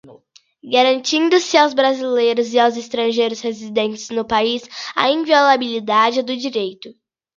garantindo-se aos brasileiros e aos estrangeiros residentes no país a inviolabilidade do direito